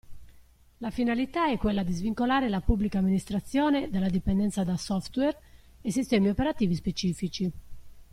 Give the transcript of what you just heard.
La finalità è quella di svincolare la Pubblica Amministrazione dalla dipendenza da software e sistemi operativi specifici.